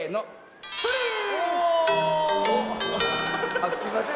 あっすいません。